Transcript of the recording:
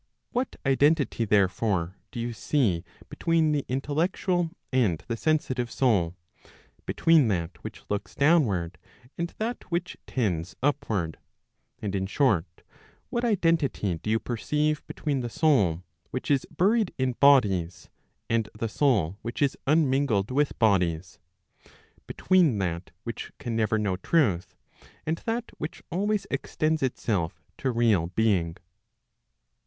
What identity, therefore, do you see between the intellectual and the sensitive soul, between that which looks downward, and that which tends upward ? And in short, what identity do you perceive between the soul which is buried in bodies, and the soul which is unmingled with bodies ? Between that which can never know truth, and that which always extends itself to real being